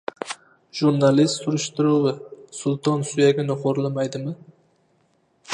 Jurnalist surishtiruvi: Sulton suyagini xo‘rlamaydimi?